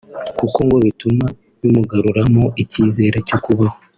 kuko ngo bituma bimugaruramo icyizere cyo kubaho